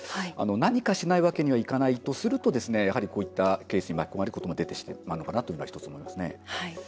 何かしないわけにはいかないとするとこういったケースに巻き込まれることも出てしまうかなというのが１つですね。